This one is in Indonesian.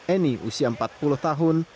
eni usia empat puluh tahun